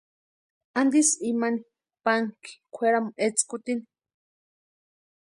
¿Antisï imani panhakʼi kwʼeramu etskurhitini?